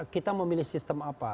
kita memilih sistem apa